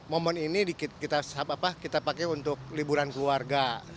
momen ini kita pakai untuk liburan keluarga